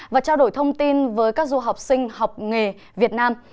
và trao đổi thông tin với các du học sinh học nghề việt nam